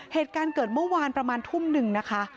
เหตุการณ์เกิดเมื่อวานประมาณทุ่มหนึ่งนะคะ